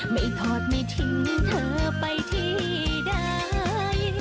ถอดไม่ทิ้งเธอไปที่ใด